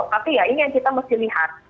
tapi ya ini yang kita mesti lihat